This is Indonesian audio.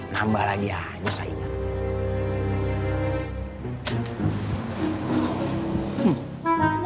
nambah lagi aja saya ingat